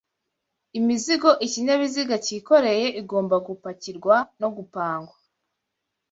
Imizigo ikinyabiziga cyikoreye igomba gupakirwa no gupangwa